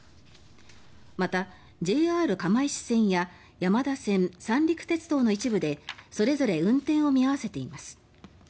また、ＪＲ釜石線や山田線、三陸鉄道の一部でそれぞれ運転を見合わせています。